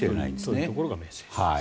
というところがメッセージ。